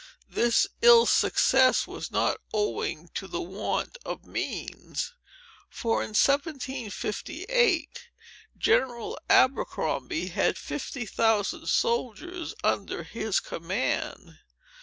This ill success was not owing to the want of means; for, in 1758, General Abercrombie had fifty thousand soldiers under his command.